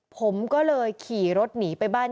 ผมก็เลยขี่รถหนีไปบ้าน